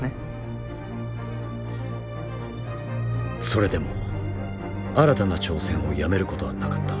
それでも新たな挑戦をやめることはなかった。